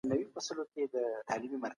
سياسي څېړنې د ټولنې د په اړه معلومات ورکوي.